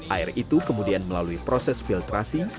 air itu kemudian melalui proses filtrasi